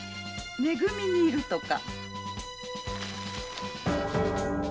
「め組」にいるとか。